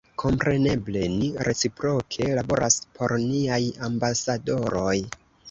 Kompreneble, ni reciproke laboras por niaj ambasadoroj